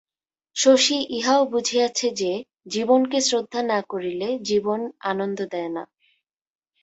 শশী ইহাও বুঝিয়াছে যে, জীবনকে শ্রদ্ধা না করিলে জীবন আনন্দ দেয় না।